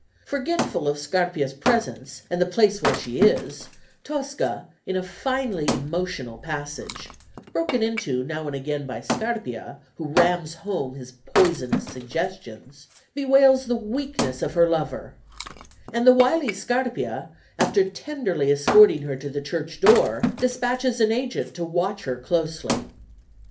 Forgetful of Scarpia's presence and the place where she is, Tosca, in a finely emotional passage broken into now and again by Scarpia, who rams home his poisonous suggestions bewails the weakness of her lover; and the wily Scarpia, after tenderly escorting her to the church door, despatches an agent to watch her closely.